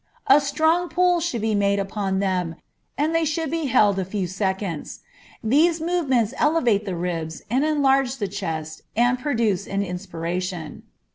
A strong pull should be made upon them, and they should be held a few seconds. These movements elevate the ribs and enlarge the chest and produce an inspiration.